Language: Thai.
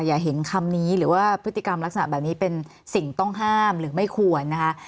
อย่าเห็นคำนี้หรือว่าพฤติกรรมลักษณะแบบนี้เป็นสิ่งต้องห้ามหรือไม่ควรนะคะ